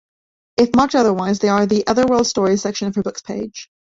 If marked otherwise, they are in the "Otherworld Stories" section of her "Books" page.